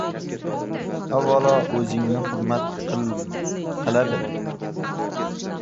Avvalo o‘zingni hurmat qila bil!